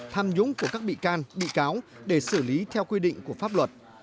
tham nhũng của các bị can bị cáo để xử lý theo quy định của pháp luật